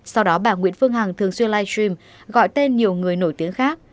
sau đó bà nguyễn phương hằng thường xuyên live stream gọi tên nhiều người nổi tiếng khác